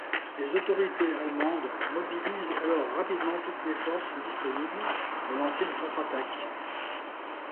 Les autorités allemandes mobilisent alors rapidement toutes les forces disponibles pour lancer une contrattaque.